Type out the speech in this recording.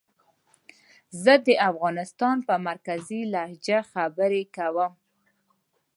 زه د افغانستان په مرکزي لهجه خبرې کووم